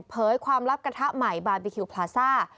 ความลับกระทะใหม่บาร์บีคิวพลาซ่า